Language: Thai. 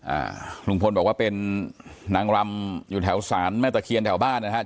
อ่าลุงพลบอกว่าเป็นนางรำอยู่แถวสารแม่ตะเคียนแถวบ้านนะครับ